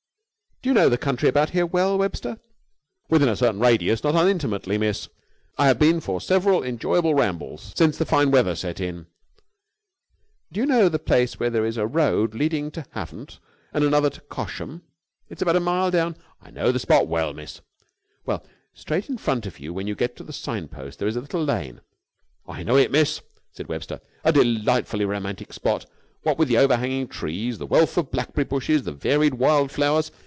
"Do you know the country about here, well, Webster?" "Within a certain radius, not unintimately, Miss. I have been for several enjoyable rambles since the fine weather set in." "Do you know the place where there is a road leading to Havant, and another to Cosham? It's about a mile down...." "I know the spot well, miss." "Well, straight in front of you when you get to the sign post there is a little lane...." "I know it, miss," said Webster. "A delightfully romantic spot. What with the overhanging trees, the wealth of blackberry bushes, the varied wild flowers...."